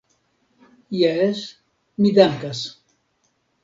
Jes, mi dankas.